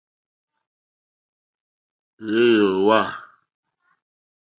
Wɛ̄ ǒ wàà.